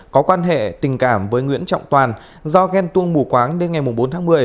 có quan hệ tình cảm với nguyễn trọng toàn do ghen tuông mù quáng đêm ngày bốn tháng một mươi